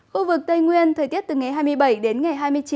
khu vực tây nguyên thời tiết từ ngày hai mươi bảy đến ngày hai mươi chín